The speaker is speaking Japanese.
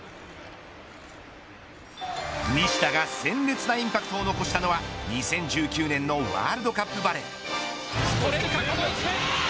西田が鮮烈なインパクトを残したのは２０１９年のワールドカップバレー。